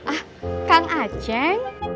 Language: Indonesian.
ah kang aceh